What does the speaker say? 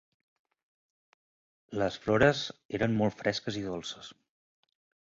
"Les flores eren molt fresques i dolces."